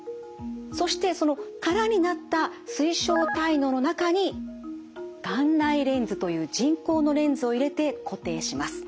そしてその空になった水晶体嚢の中に眼内レンズという人工のレンズを入れて固定します。